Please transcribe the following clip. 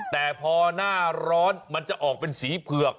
แต่พอหน้าร้อนมันจะออกเป็นสีเผือก